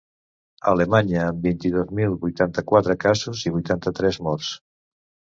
Alemanya, amb vint-i-dos mil vuitanta-quatre casos i vuitanta-tres morts.